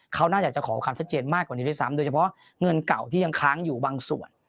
เขาน่าจะขอความชัดเจนมากกว่านี้ด้วยซ้ำโดยเฉพาะเงินเก่าที่ยังค้างอยู่บางส่วน